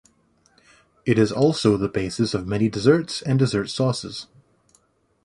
It is also the basis of many desserts and dessert sauces.